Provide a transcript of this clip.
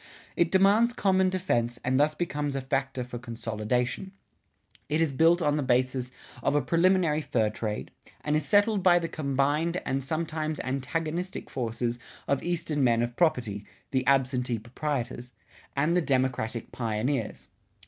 It demands common defense and thus becomes a factor for consolidation. It is built on the basis of a preliminary fur trade, and is settled by the combined and sometimes antagonistic forces of eastern men of property (the absentee proprietors) and the democratic pioneers.